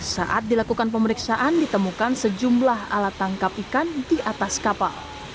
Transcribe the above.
saat dilakukan pemeriksaan ditemukan sejumlah alat tangkap ikan di atas kapal